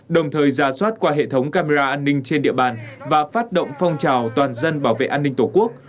đồng thời ra soát qua hệ thống camera an ninh trên địa bàn và phát động phong trào toàn dân bảo vệ an ninh tổ quốc